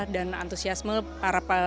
dan antusiasme para